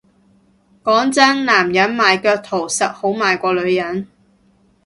講真男人賣腳圖實好賣過女人